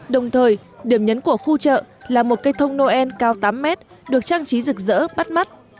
đồng thời điểm nhấn của khu chợ là một cây thông noel cao tám mét được trang trí rực rỡ bắt mắt